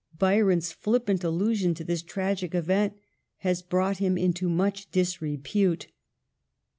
Byron's flippant allu sion to this tragic event has brought him into much disrepute.